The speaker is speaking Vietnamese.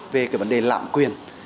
về vấn đề lạm quyền